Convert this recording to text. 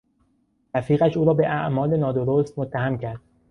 رفیقش او را به اعمال نادرست متهم کرد.